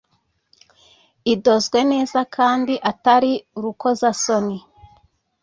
idozwe neza kandi atari urukozasoni.